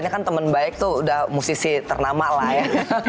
ini kan teman baik tuh udah musisi ternama lah ya